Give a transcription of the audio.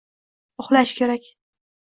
uxlash kerak.